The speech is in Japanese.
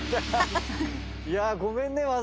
「いやごめんね。